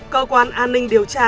cơ quan an ninh điều tra